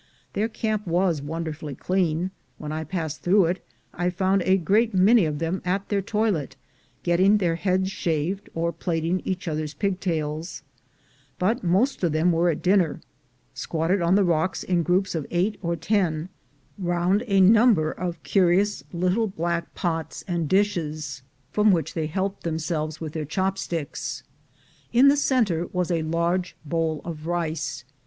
Their camp was wonderfully clean: when I passed through it, I found a great many of them at their toilet, getting their heads shaved, or plaiting each other's pigtails; but most of them were at dinner, squatted on the rocks in groups of eight or ten round a number of curious little black 256 THE GOLD HUNTERS pots and dishes, from which they helped themselves with their chopsticks. In the center was a large bowl of rice.